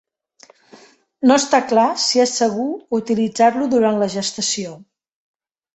No està clar si és segur utilitzar-lo durant la gestació.